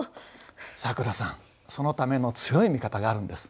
さくらさんそのための強い味方があるんです。